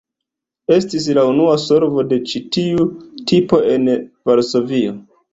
Estis la unua solvo de ĉi tiu tipo en Varsovio.